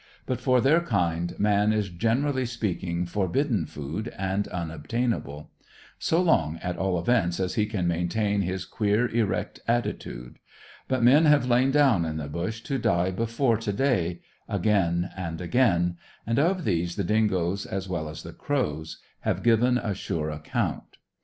But, for their kind, man is generally speaking forbidden food, and unobtainable; so long, at all events, as he can maintain his queer, erect attitude. But men have lain down in the bush to die before to day, again and again; and of these the dingoes, as well as the crows, have given a sure account.